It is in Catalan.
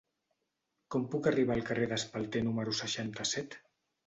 Com puc arribar al carrer d'Espalter número seixanta-set?